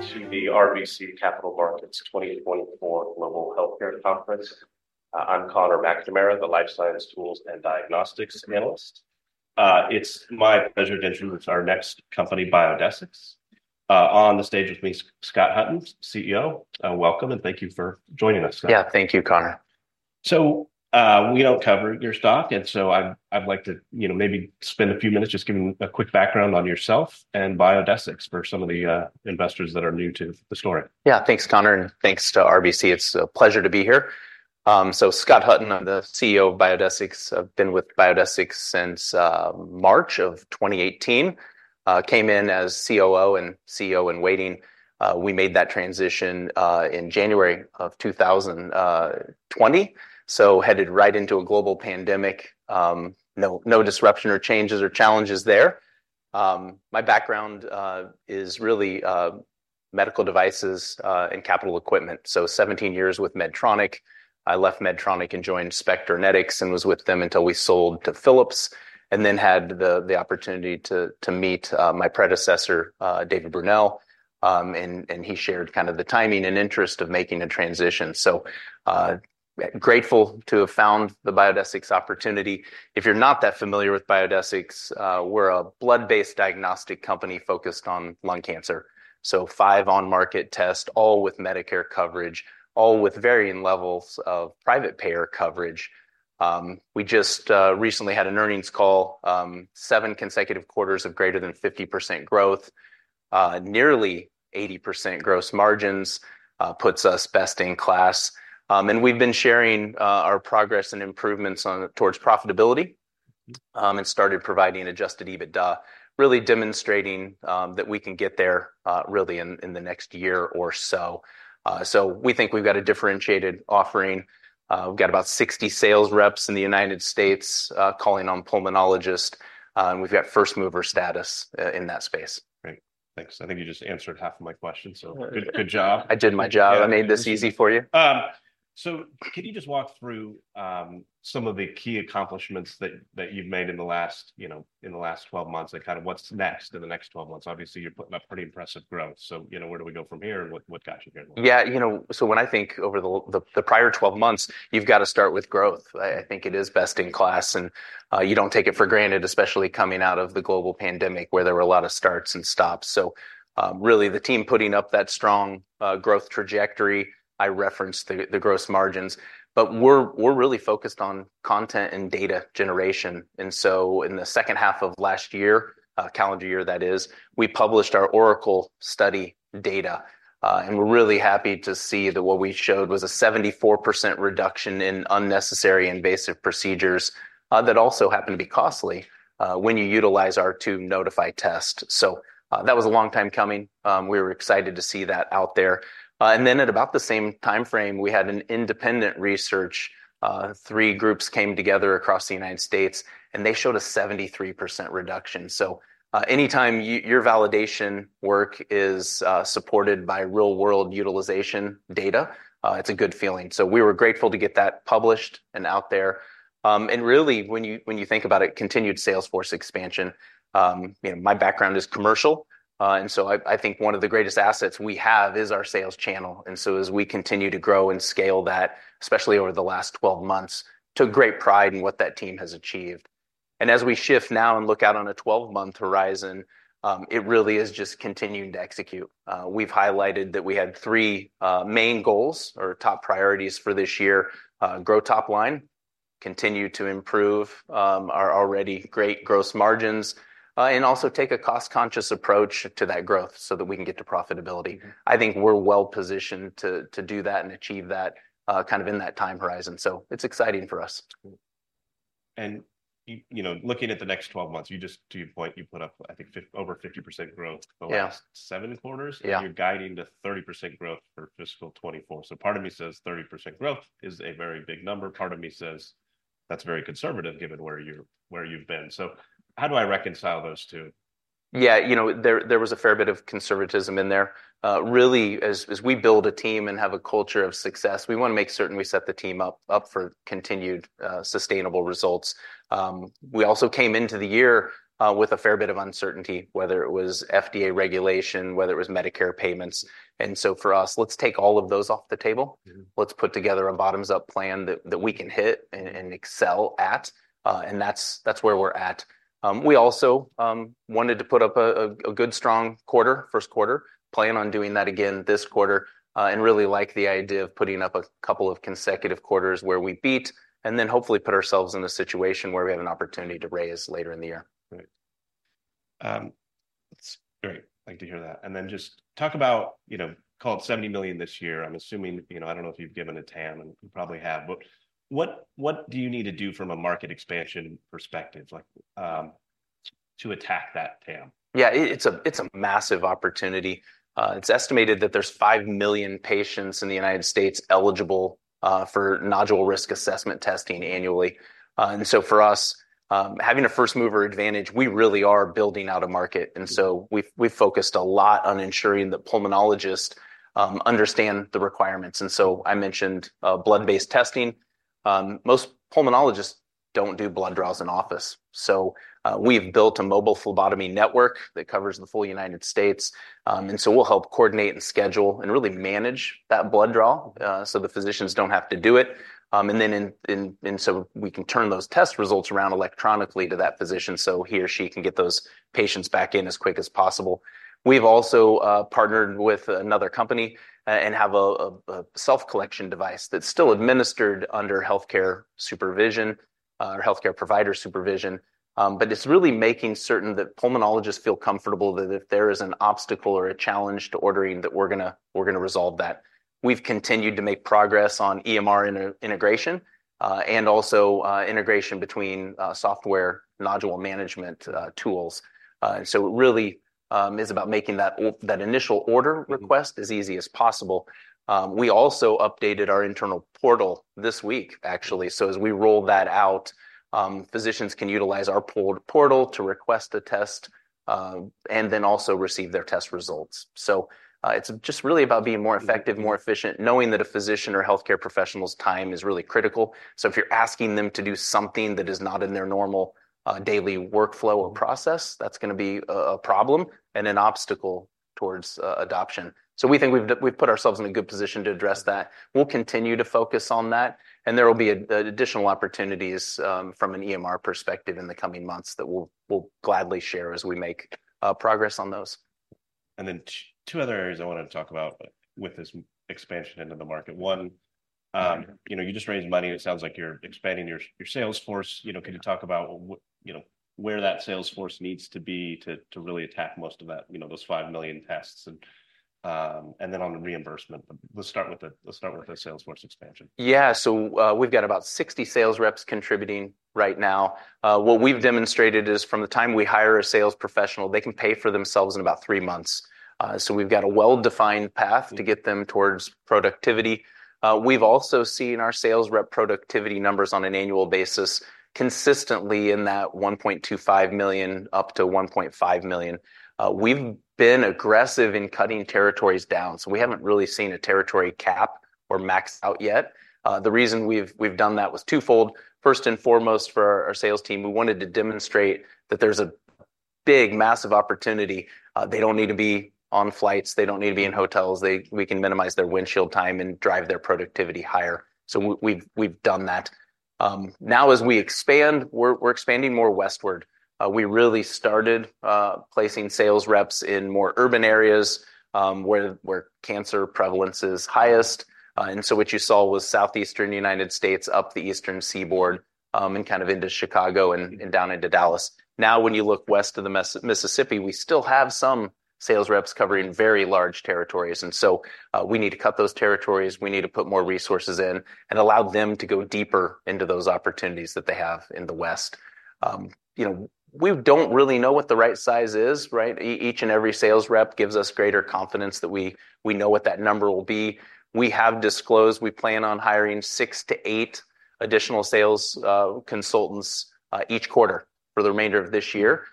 Welcome to the RBC Capital Markets 2024 Global Healthcare Conference. I'm Conor McNamara, the Life Science Tools and Diagnostics Analyst. It's my pleasure to introduce our next company, Biodesix. On the stage with me is Scott Hutton, CEO. Welcome, and thank you for joining us, Scott. Yeah, thank you, Conor. We don't cover your stock, and so I'd like to maybe spend a few minutes just giving a quick background on yourself and Biodesix for some of the investors that are new to the story. Yeah, thanks, Conor, and thanks to RBC. It's a pleasure to be here. So Scott Hutton, I'm the CEO of Biodesix. I've been with Biodesix since March of 2018. Came in as COO and CEO in waiting. We made that transition in January of 2020, so headed right into a global pandemic. No disruption or changes or challenges there. My background is really medical devices and capital equipment, so 17 years with Medtronic. I left Medtronic and joined Spectranetics and was with them until we sold to Philips, and then had the opportunity to meet my predecessor, David Brunel, and he shared kind of the timing and interest of making a transition. So grateful to have found the Biodesix opportunity. If you're not that familiar with Biodesix, we're a blood-based diagnostic company focused on lung cancer. So five on-market tests, all with Medicare coverage, all with varying levels of private payer coverage. We just recently had an earnings call. Seven consecutive quarters of greater than 50% growth, nearly 80% gross margins, puts us best in class. And we've been sharing our progress and improvements towards profitability and started providing adjusted EBITDA, really demonstrating that we can get there really in the next year or so. So we think we've got a differentiated offering. We've got about 60 sales reps in the United States calling on pulmonologists, and we've got first mover status in that space. Great. Thanks. I think you just answered half of my question, so good job. I did my job. I made this easy for you. So can you just walk through some of the key accomplishments that you've made in the last 12 months and kind of what's next in the next 12 months? Obviously, you're putting up pretty impressive growth. So where do we go from here, and what got you here? Yeah, so when I think over the prior 12 months, you've got to start with growth. I think it is best in class, and you don't take it for granted, especially coming out of the global pandemic where there were a lot of starts and stops. So really, the team putting up that strong growth trajectory, I referenced the gross margins. But we're really focused on content and data generation. And so in the second half of last year, calendar year that is, we published our ORACLE study data, and we're really happy to see that what we showed was a 74% reduction in unnecessary invasive procedures that also happen to be costly when you utilize our two Nodify tests. So that was a long time coming. We were excited to see that out there. And then at about the same time frame, we had an independent research. Three groups came together across the United States, and they showed a 73% reduction. So anytime your validation work is supported by real-world utilization data, it's a good feeling. So we were grateful to get that published and out there. And really, when you think about it, continued sales force expansion. My background is commercial, and so I think one of the greatest assets we have is our sales channel. And so as we continue to grow and scale that, especially over the last 12 months, took great pride in what that team has achieved. And as we shift now and look out on a 12-month horizon, it really is just continuing to execute. We've highlighted that we had three main goals or top priorities for this year: grow topline, continue to improve our already great gross margins, and also take a cost-conscious approach to that growth so that we can get to profitability. I think we're well positioned to do that and achieve that kind of in that time horizon. So it's exciting for us. Looking at the next 12 months, to your point, you put up, I think, over 50% growth over the last seven quarters, and you're guiding to 30% growth for fiscal 2024. So part of me says 30% growth is a very big number. Part of me says that's very conservative given where you've been. So how do I reconcile those two? Yeah, there was a fair bit of conservatism in there. Really, as we build a team and have a culture of success, we want to make certain we set the team up for continued sustainable results. We also came into the year with a fair bit of uncertainty, whether it was FDA regulation, whether it was Medicare payments. So for us, let's take all of those off the table. Let's put together a bottoms-up plan that we can hit and excel at. And that's where we're at. We also wanted to put up a good, strong quarter, first quarter, plan on doing that again this quarter, and really like the idea of putting up a couple of consecutive quarters where we beat and then hopefully put ourselves in a situation where we have an opportunity to raise later in the year. Great. That's great. I'd like to hear that. And then just talk about $70 million this year. I'm assuming I don't know if you've given a TAM, and you probably have. But what do you need to do from a market expansion perspective to attack that TAM? Yeah, it's a massive opportunity. It's estimated that there's 5 million patients in the United States eligible for nodule risk assessment testing annually. For us, having a first mover advantage, we really are building out a market. We've focused a lot on ensuring that pulmonologists understand the requirements. I mentioned blood-based testing. Most pulmonologists don't do blood draws in office. We've built a mobile phlebotomy network that covers the full United States. We'll help coordinate and schedule and really manage that blood draw so the physicians don't have to do it. We can turn those test results around electronically to that physician so he or she can get those patients back in as quick as possible. We've also partnered with another company and have a self-collection device that's still administered under healthcare supervision or healthcare provider supervision. But it's really making certain that pulmonologists feel comfortable that if there is an obstacle or a challenge to ordering, that we're going to resolve that. We've continued to make progress on EMR integration and also integration between software nodule management tools. And so it really is about making that initial order request as easy as possible. We also updated our internal portal this week, actually. So as we roll that out, physicians can utilize our portal to request a test and then also receive their test results. So it's just really about being more effective, more efficient, knowing that a physician or healthcare professional's time is really critical. So if you're asking them to do something that is not in their normal daily workflow or process, that's going to be a problem and an obstacle towards adoption. We think we've put ourselves in a good position to address that. We'll continue to focus on that, and there will be additional opportunities from an EMR perspective in the coming months that we'll gladly share as we make progress on those. And then two other areas I want to talk about with this expansion into the market. One, you just raised money. It sounds like you're expanding your sales force. Can you talk about where that sales force needs to be to really attack most of those 5 million tests? And then on reimbursement, let's start with the sales force expansion. Yeah, so we've got about 60 sales reps contributing right now. What we've demonstrated is from the time we hire a sales professional, they can pay for themselves in about three months. So we've got a well-defined path to get them towards productivity. We've also seen our sales rep productivity numbers on an annual basis consistently in that $1.25 million-$1.5 million. We've been aggressive in cutting territories down, so we haven't really seen a territory cap or maxed out yet. The reason we've done that was twofold. First and foremost, for our sales team, we wanted to demonstrate that there's a big, massive opportunity. They don't need to be on flights. They don't need to be in hotels. We can minimize their windshield time and drive their productivity higher. So we've done that. Now, as we expand, we're expanding more Westward. We really started placing sales reps in more urban areas where cancer prevalence is highest. And so what you saw was Southeastern United States up the Eastern Seaboard and kind of into Chicago and down into Dallas. Now, when you look West of the Mississippi, we still have some sales reps covering very large territories. And so we need to cut those territories. We need to put more resources in and allow them to go deeper into those opportunities that they have in the West. We don't really know what the right size is, right? Each and every sales rep gives us greater confidence that we know what that number will be. We have disclosed we plan on hiring six-eight additional sales consultants each quarter for the remainder of this year.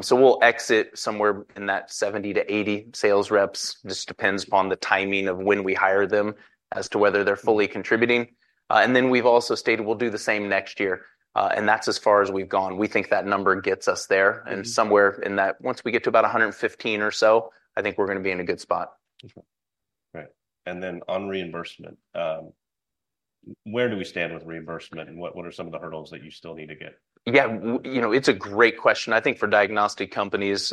So we'll exit somewhere in that 70-80 sales reps. Just depends upon the timing of when we hire them as to whether they're fully contributing. And then we've also stated we'll do the same next year, and that's as far as we've gone. We think that number gets us there. And somewhere in that once we get to about 115 or so, I think we're going to be in a good spot. Right. On reimbursement, where do we stand with reimbursement, and what are some of the hurdles that you still need to get? Yeah, it's a great question. I think for diagnostic companies,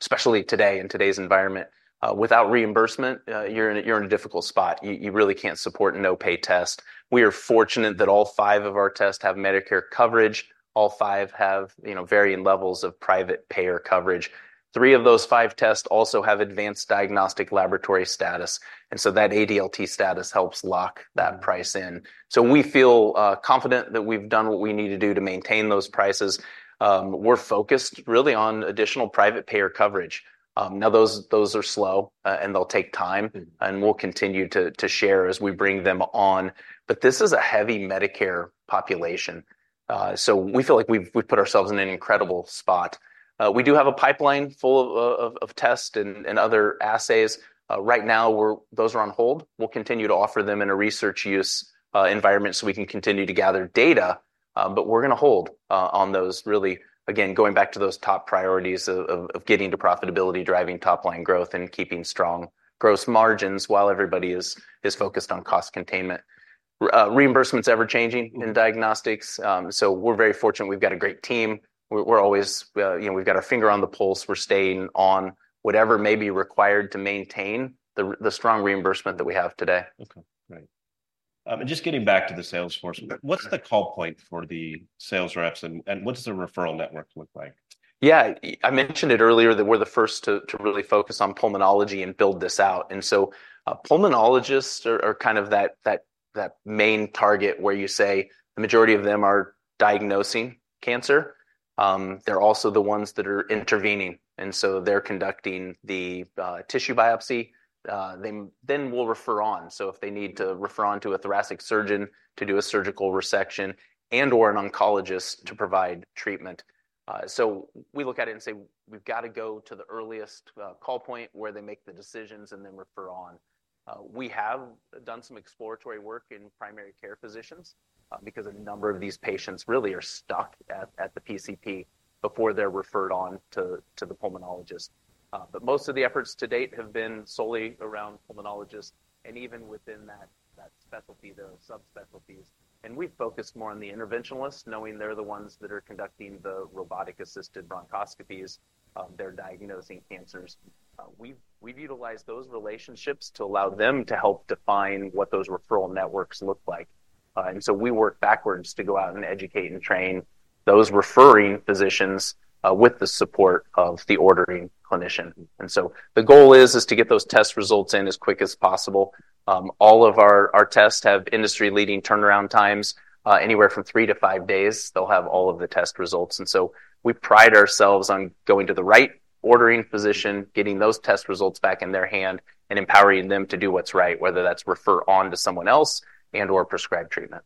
especially today in today's environment, without reimbursement, you're in a difficult spot. You really can't support a no-pay test. We are fortunate that all five of our tests have Medicare coverage. All five have varying levels of private payer coverage. Three of those five tests also have advanced diagnostic laboratory status. And so that ADLT status helps lock that price in. So we feel confident that we've done what we need to do to maintain those prices. We're focused really on additional private payer coverage. Now, those are slow, and they'll take time, and we'll continue to share as we bring them on. But this is a heavy Medicare population, so we feel like we've put ourselves in an incredible spot. We do have a pipeline full of tests and other assays. Right now, those are on hold. We'll continue to offer them in a research use environment so we can continue to gather data. But we're going to hold on those, really, again, going back to those top priorities of getting to profitability, driving topline growth, and keeping strong gross margins while everybody is focused on cost containment. Reimbursement's ever-changing in diagnostics, so we're very fortunate. We've got a great team. We've got our finger on the pulse. We're staying on whatever may be required to maintain the strong reimbursement that we have today. Okay, great. And just getting back to the sales force, what's the call point for the sales reps, and what does the referral network look like? Yeah, I mentioned it earlier that we're the first to really focus on pulmonology and build this out. So pulmonologists are kind of that main target where you say the majority of them are diagnosing cancer. They're also the ones that are intervening. So they're conducting the tissue biopsy. Then we'll refer on. So if they need to refer on to a thoracic surgeon to do a surgical resection and/or an oncologist to provide treatment. We look at it and say we've got to go to the earliest call point where they make the decisions and then refer on. We have done some exploratory work in primary care physicians because a number of these patients really are stuck at the PCP before they're referred on to the pulmonologist. But most of the efforts to date have been solely around pulmonologists and even within that specialty, those subspecialties. We've focused more on the interventionalists, knowing they're the ones that are conducting the robotic-assisted bronchoscopies. They're diagnosing cancers. We've utilized those relationships to allow them to help define what those referral networks look like. And so we work backwards to go out and educate and train those referring physicians with the support of the ordering clinician. And so the goal is to get those test results in as quick as possible. All of our tests have industry-leading turnaround times, anywhere from three to five days. They'll have all of the test results. And so we pride ourselves on going to the right ordering physician, getting those test results back in their hand, and empowering them to do what's right, whether that's refer on to someone else and/or prescribe treatment.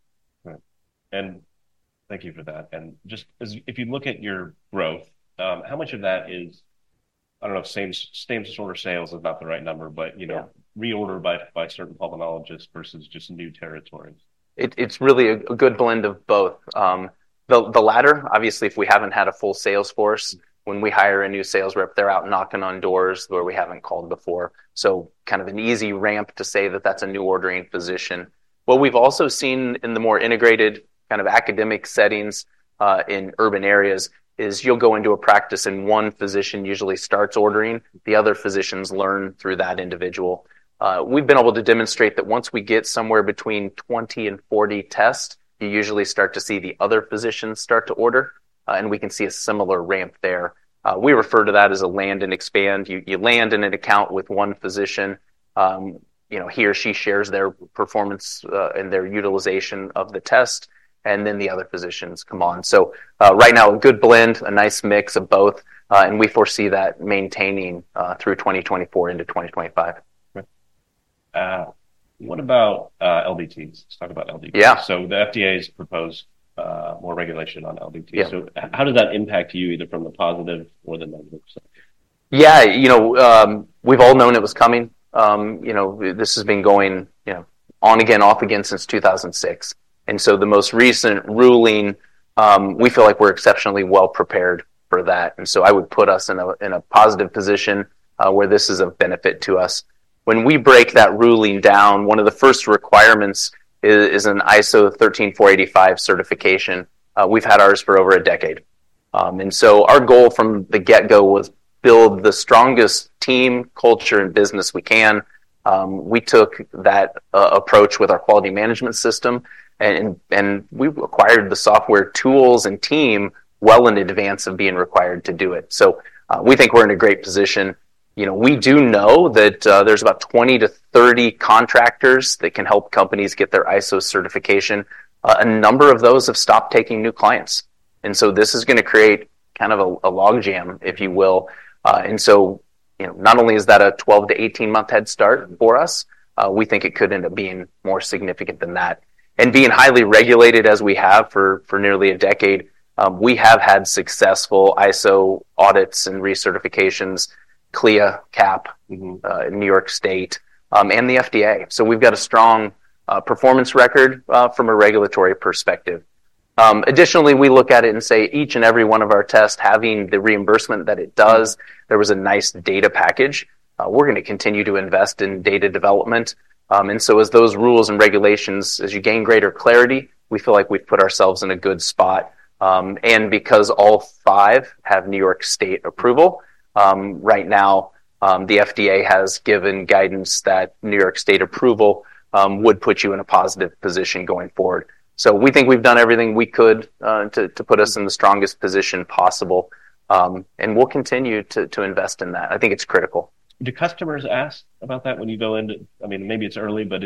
Thank you for that. Just if you look at your growth, how much of that is, I don't know if same-source sales is not the right number, but reorder by certain pulmonologists versus just new territories? It's really a good blend of both. The latter, obviously, if we haven't had a full sales force, when we hire a new sales rep, they're out knocking on doors where we haven't called before. So kind of an easy ramp to say that that's a new ordering physician. What we've also seen in the more integrated kind of academic settings in urban areas is you'll go into a practice, and one physician usually starts ordering. The other physicians learn through that individual. We've been able to demonstrate that once we get somewhere between 20 and 40 tests, you usually start to see the other physicians start to order, and we can see a similar ramp there. We refer to that as a land and expand. You land in an account with one physician. He or she shares their performance and their utilization of the test, and then the other physicians come on. So right now, a good blend, a nice mix of both, and we foresee that maintaining through 2024 into 2025. What about LDTs? Let's talk about LDTs. So the FDA has proposed more regulation on LDT. So how does that impact you, either from the positive or the negative side? Yeah, we've all known it was coming. This has been going on again, off again since 2006. And so the most recent ruling, we feel like we're exceptionally well-prepared for that. And so I would put us in a positive position where this is of benefit to us. When we break that ruling down, one of the first requirements is an ISO 13485 certification. We've had ours for over a decade. And so our goal from the get-go was to build the strongest team, culture, and business we can. We took that approach with our quality management system, and we acquired the software tools and team well in advance of being required to do it. So we think we're in a great position. We do know that there's about 20-30 contractors that can help companies get their ISO certification. A number of those have stopped taking new clients. And so this is going to create kind of a logjam, if you will. And so not only is that a 12-18-month head start for us, we think it could end up being more significant than that. And being highly regulated, as we have for nearly a decade, we have had successful ISO audits and recertifications, CLIA, CAP, New York State, and the FDA. So we've got a strong performance record from a regulatory perspective. Additionally, we look at it and say each and every one of our tests, having the reimbursement that it does, there was a nice data package. We're going to continue to invest in data development. And so as those rules and regulations, as you gain greater clarity, we feel like we've put ourselves in a good spot. Because all five have New York State approval, right now, the FDA has given guidance that New York State approval would put you in a positive position going forward. We think we've done everything we could to put us in the strongest position possible, and we'll continue to invest in that. I think it's critical. Do customers ask about that when you go into, I mean, maybe it's early, but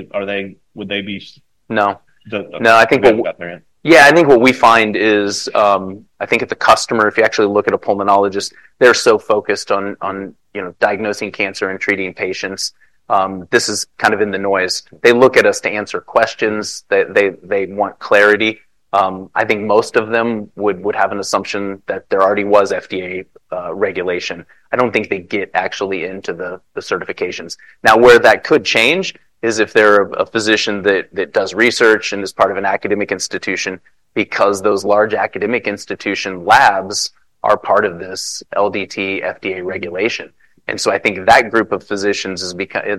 would they be? No. No, I think what we find is I think if the customer, if you actually look at a pulmonologist, they're so focused on diagnosing cancer and treating patients, this is kind of in the noise. They look at us to answer questions. They want clarity. I think most of them would have an assumption that there already was FDA regulation. I don't think they get actually into the certifications. Now, where that could change is if they're a physician that does research and is part of an academic institution because those large academic institution labs are part of this LDT FDA regulation. And so I think that group of physicians,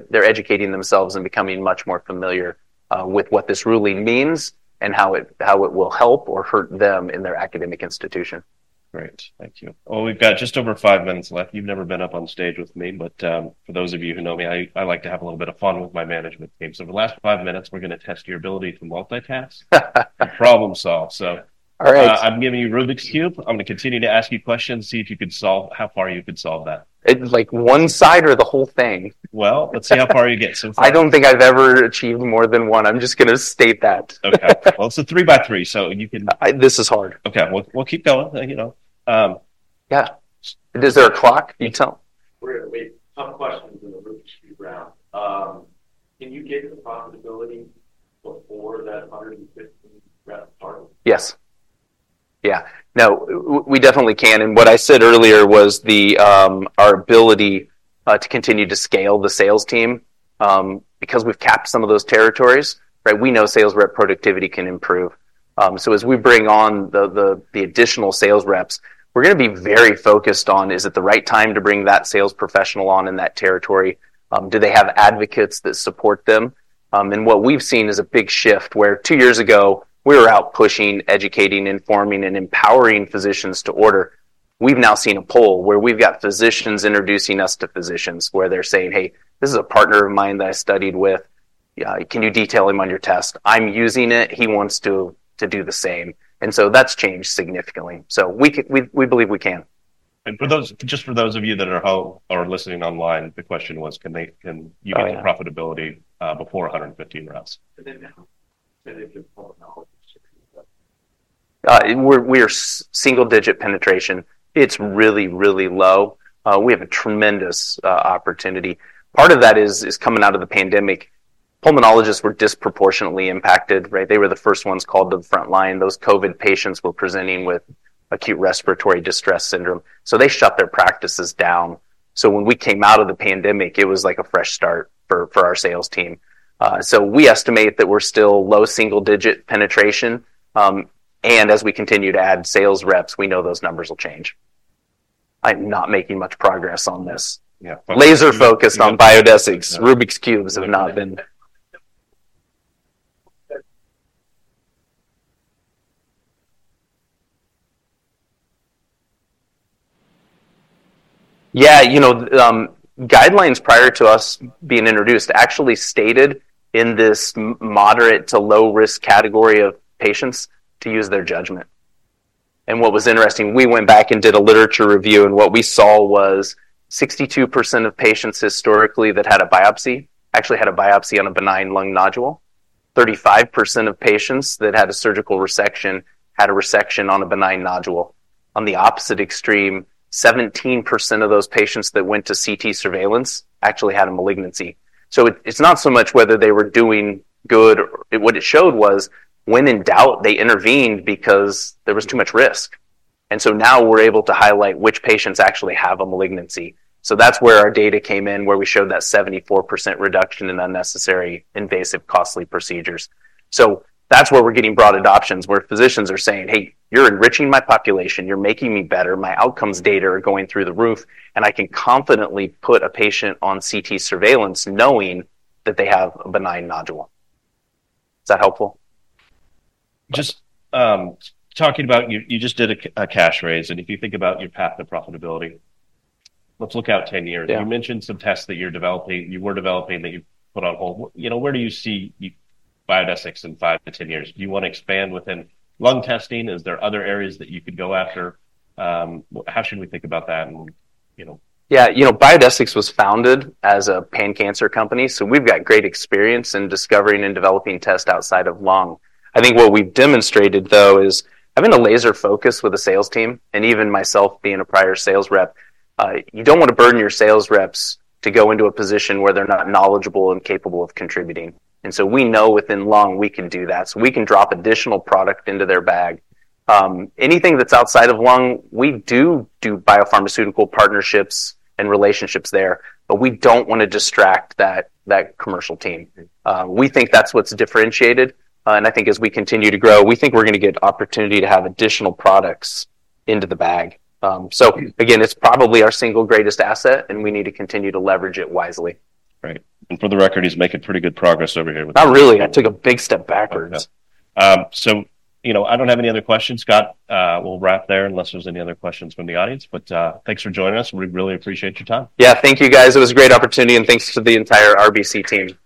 they're educating themselves and becoming much more familiar with what this ruling means and how it will help or hurt them in their academic institution. Great. Thank you. Well, we've got just over five minutes left. You've never been up on stage with me, but for those of you who know me, I like to have a little bit of fun with my management team. So for the last five minutes, we're going to test your ability to multitask and problem-solve. So I'm giving you Rubik's Cube. I'm going to continue to ask you questions, see if you could solve how far you could solve that. It's like one side or the whole thing? Well, let's see how far you get so far. I don't think I've ever achieved more than one. I'm just going to state that. Okay. Well, it's a three by three, so you can. This is hard. Okay. We'll keep going. Yeah. Is there a clock? You tell. Yes. Yeah. No, we definitely can. And what I said earlier was our ability to continue to scale the sales team because we've capped some of those territories, right? We know sales rep productivity can improve. So as we bring on the additional sales reps, we're going to be very focused on, is it the right time to bring that sales professional on in that territory? Do they have advocates that support them? And what we've seen is a big shift where two years ago, we were out pushing, educating, informing, and empowering physicians to order. We've now seen a pull where we've got physicians introducing us to physicians where they're saying, "Hey, this is a partner of mine that I studied with. Can you detail him on your test? I'm using it. He wants to do the same." And so that's changed significantly. So we believe we can. Just for those of you that are listening online, the question was, can you get to profitability before 115 reps? We are single-digit penetration. It's really, really low. We have a tremendous opportunity. Part of that is coming out of the pandemic. Pulmonologists were disproportionately impacted, right? They were the first ones called to the front line. Those COVID patients were presenting with acute respiratory distress syndrome. So they shut their practices down. So when we came out of the pandemic, it was like a fresh start for our sales team. So we estimate that we're still low single-digit penetration. And as we continue to add sales reps, we know those numbers will change. I'm not making much progress on this. Laser-focused on Biodesix. Rubik's Cubes have not been. Yeah, guidelines prior to us being introduced actually stated in this moderate to low-risk category of patients to use their judgment. And what was interesting, we went back and did a literature review, and what we saw was 62% of patients historically that had a biopsy actually had a biopsy on a benign lung nodule. 35% of patients that had a surgical resection had a resection on a benign nodule. On the opposite extreme, 17% of those patients that went to CT surveillance actually had a malignancy. So it's not so much whether they were doing good. What it showed was when in doubt, they intervened because there was too much risk. And so now we're able to highlight which patients actually have a malignancy. So that's where our data came in, where we showed that 74% reduction in unnecessary, invasive, costly procedures. So that's where we're getting broad adoptions, where physicians are saying, "Hey, you're enriching my population. You're making me better. My outcomes data are going through the roof, and I can confidently put a patient on CT surveillance knowing that they have a benign nodule." Is that helpful? Just talking about you just did a cash raise. And if you think about your path to profitability, let's look out 10 years. You mentioned some tests that you're developing. You were developing that you put on hold. Where do you see Biodesix in five-10 years? Do you want to expand within lung testing? Is there other areas that you could go after? How should we think about that? Yeah, Biodesix was founded as a lung cancer company. So we've got great experience in discovering and developing tests outside of lung. I think what we've demonstrated, though, is having a laser focus with the sales team and even myself being a prior sales rep. You don't want to burden your sales reps to go into a position where they're not knowledgeable and capable of contributing. And so we know within lung, we can do that. So we can drop additional product into their bag. Anything that's outside of lung, we do do biopharmaceutical partnerships and relationships there, but we don't want to distract that commercial team. We think that's what's differentiated. And I think as we continue to grow, we think we're going to get opportunity to have additional products into the bag. So again, it's probably our single greatest asset, and we need to continue to leverage it wisely. Right. For the record, he's making pretty good progress over here with. Not really. I took a big step backwards. Okay. So I don't have any other questions, Scott. We'll wrap there unless there's any other questions from the audience. But thanks for joining us. We really appreciate your time. Yeah, thank you, guys. It was a great opportunity, and thanks to the entire RBC team.